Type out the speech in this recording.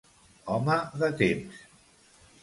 Home de temps.